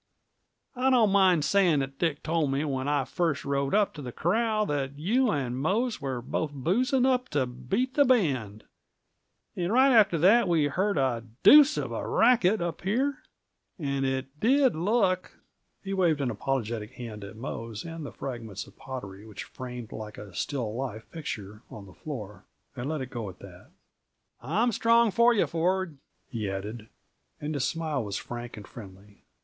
I don't mind saying that Dick told me when I first rode up to the corral that you and Mose were both boozing up to beat the band; and right after that we heard a deuce of a racket up here, and it did look " He waved an apologetic hand at Mose and the fragments of pottery which framed like a "still life" picture on the floor, and let it go at that. "I'm strong for you, Ford," he added, and his smile was frank and friendly.